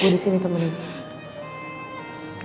gue disini temenin